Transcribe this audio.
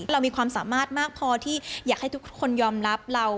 เรามีความสามารถมากพอที่อยากให้ทุกคนยอมรับเรา